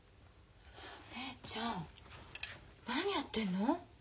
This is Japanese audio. お姉ちゃん何やってんの？